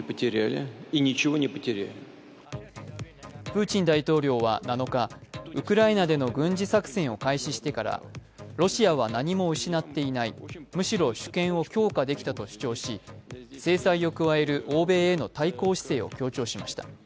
プーチン大統領は７日ウクライナでの軍事作戦を開始してからロシアは何も失っていない、むしろ主権を強化できたと主張し制裁を加える欧米への対抗姿勢を強調しました。